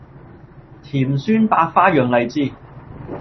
甜酸百花釀荔枝